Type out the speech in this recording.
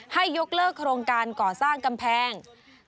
ให้ยกเลิกโครงการก่อสร้างกำแพง